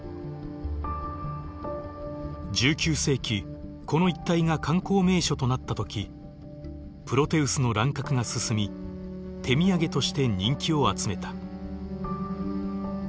１９世紀この一帯が観光名所となった時プロテウスの乱獲が進み手土産として人気を集めた。